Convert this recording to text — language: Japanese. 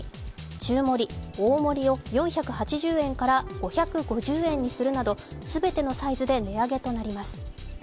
中盛・大盛を４８０円から５５０円にするなど全てのサイズで値上げとなります。